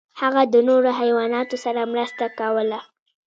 هغه د نورو حیواناتو سره مرسته کوله.